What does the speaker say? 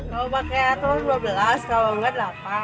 kalau pakai aturan dua belas kalau enggak delapan